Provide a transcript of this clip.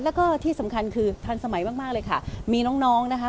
แล้วก็ที่สำคัญคือทันสมัยมากมากเลยค่ะมีน้องน้องนะคะ